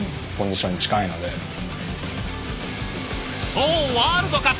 そうワールドカップ！